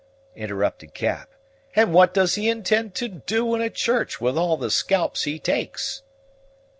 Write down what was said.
interrupted Cap. "And what does he intend to do in a church with all the scalps he takes?"